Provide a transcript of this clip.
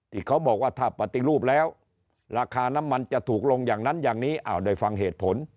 ที่เขาบอกว่าถ้าปฏิรูปแล้วราคาน้ำมันจะถูกลงอย่างนั้นอย่างนี้ได้ฟังเหตุผล